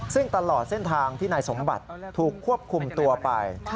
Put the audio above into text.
ซึ่งตลอดเส้นทางที่นายสมบัติถูกควบคุมตัวไป